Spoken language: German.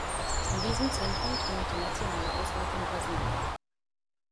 In diesem Zentrum trainiert die nationale Auswahl von Brasilien.